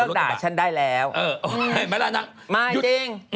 เลิกด่าฉันได้แล้วไม่แล้วนะยุดไม่จริง